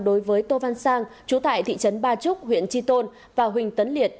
đối với tô văn sang chú tại thị trấn ba trúc huyện tri tôn và huỳnh tấn liệt